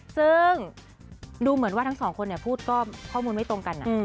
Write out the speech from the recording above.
ซึ่งดูเหมือนว่าทั้งสองคนพูดก็ข้อมูลไม่ตรงกัน